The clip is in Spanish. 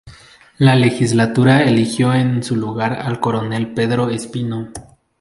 La legislatura eligió en su lugar al coronel Pedro Espino.